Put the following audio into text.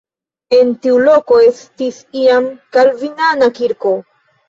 En tiu loko estis iam kalvinana kirko.